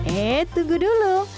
eh tunggu dulu